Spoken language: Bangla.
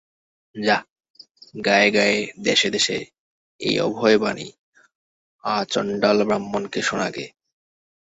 যা গাঁয়ে গাঁয়ে দেশে-দেশে এই অভয়বাণী আচণ্ডালব্রাহ্মণকে শোনাগে।